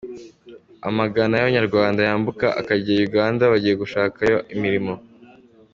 Amagana y’abanyarwanda yambukaga akajya Uganda bagiye gushakayo imirimo.